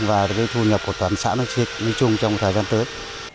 và thu nhập của toàn xã nói chung trong thời gian tới